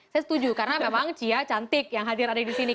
saya setuju karena memang cia cantik yang hadir ada di sini